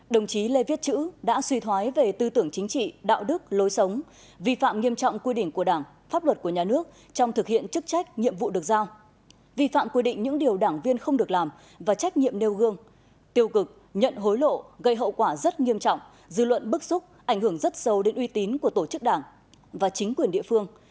đồng chí lê viết chữ đã suy thoái về tư tưởng chính trị đạo đức lối sống vi phạm nghiêm trọng quy định của đảng pháp luật của nhà nước trong thực hiện chức trách nhiệm vụ được giao vi phạm quy định những điều đảng viên không được làm và trách nhiệm nêu gương tiêu cực nhận hối lộ gây hậu quả rất nghiêm trọng dư luận bức xúc ảnh hưởng rất sâu đến uy tín của tổ chức đảng và chính quyền địa phương